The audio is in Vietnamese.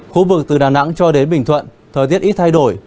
khu vực từ đà nẵng cho đến bình thuận thời tiết ít thay đổi